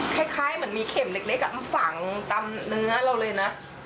คล้ายเหมือนมีเข็มเล็กมาฝังตามเนื้อเราเลยนะ